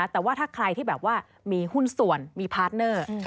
แต่ว่าถ้าใครที่แบบว่ามีหุ้นส่วนมีพาร์ทเนอร์